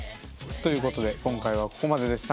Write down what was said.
ということで今回はここまでです。